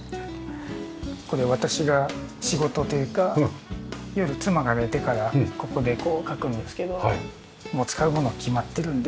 これ私が仕事というか夜妻が寝てからここでこう描くんですけどもう使うもの決まってるんで。